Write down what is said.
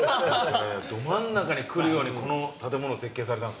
ど真ん中に来るようにこの建物設計されたんですか？